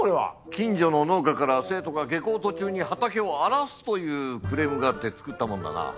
近所の農家から生徒が下校途中に畑を荒らすというクレームがあって作ったものだな。